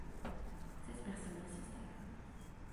Seize personnes assistent à la première.